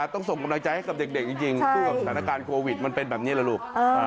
ต้องส่งกำลังใจให้กับเด็กจริงสู้กับสถานการณ์โควิดมันเป็นแบบนี้แหละลูก